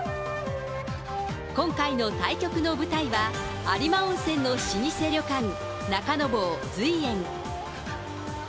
今回の対局の舞台は有馬温泉の老舗旅館、中の坊ずいえん。